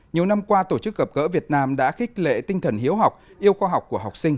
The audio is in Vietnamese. nhiều năm qua tổ chức gặp gỡ việt nam đã khích lệ tinh thần hiếu học yêu khoa học của học sinh